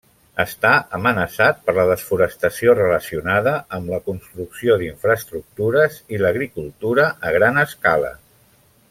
Està amenaçat per la desforestació relacionada amb la construcció d'infraestructures i l'agricultura a gran escala.